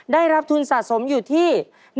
ได้รับทุนสะสมอยู่ที่